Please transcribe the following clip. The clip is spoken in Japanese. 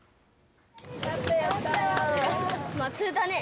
やった、やったー。